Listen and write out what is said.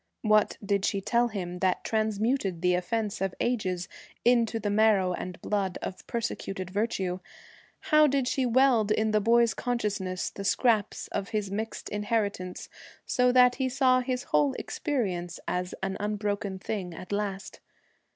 What did she tell him that transmuted the offense of ages into the marrow and blood of persecuted virtue? How did she weld in the boy's consciousness the scraps of his mixed inheritance, so that he saw his whole experience as an unbroken thing at last?